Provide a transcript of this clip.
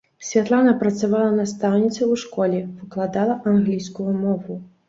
Святлана працавала настаўніцай у школе, выкладала англійскую мову.